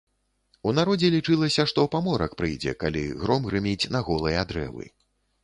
У народзе лічылася, што паморак прыйдзе, калі гром грыміць на голыя дрэвы.